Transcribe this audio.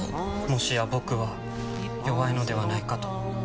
もしや僕は弱いのではないかと。